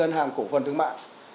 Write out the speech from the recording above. các ngân hàng cổ phần thương mại